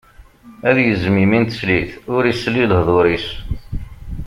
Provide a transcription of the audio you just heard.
Ad yezzem imi n teslit, ur isel i lehḍur-is.